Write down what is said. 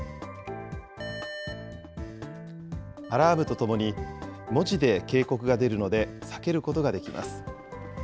アラームと共に文字で警告が出るので、避けることができます。